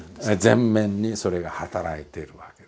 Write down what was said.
前面にそれが働いているわけですよ。